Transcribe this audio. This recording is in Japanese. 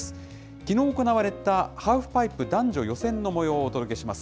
きのう行われたハーフパイプ男女予選のもようをお届けします。